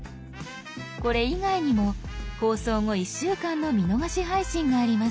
これ以外にも放送後１週間の「見逃し配信」があります。